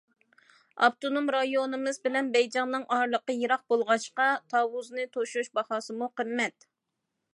ئاپتونوم رايونىمىز بىلەن بېيجىڭنىڭ ئارىلىقى يىراق بولغاچقا، تاۋۇزنى توشۇش باھاسىمۇ قىممەت.